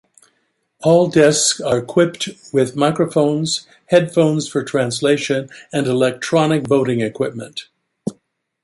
All desks are equipped with microphones, headphones for translation and electronic voting equipment.